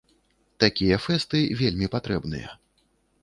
Такія фэсты вельмі патрэбныя.